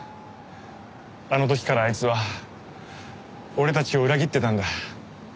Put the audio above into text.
あの時からあいつは俺たちを裏切ってたんだ。